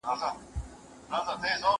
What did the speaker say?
مشخصه ثابته اندازه د ټولو لپاره نشته.